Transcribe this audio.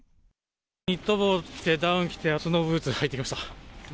ニット帽着て、ダウン着て、スノーブーツ履いてきました。